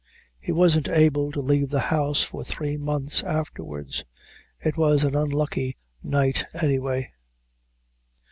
He wasn't able to leave the house for three months afterwards. It was an unlucky night any way.